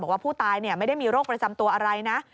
ว่าผู้ตายไม่ได้มีโรคประจำตัวอะไรนะ